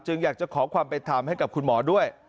อยากจะขอความเป็นธรรมให้กับคุณหมอด้วย